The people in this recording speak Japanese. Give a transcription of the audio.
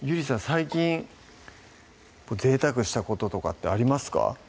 最近ぜいたくしたこととかってありますか？